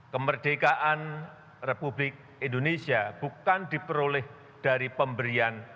kemerdekaan republik indonesia bukan diperoleh dari pemberian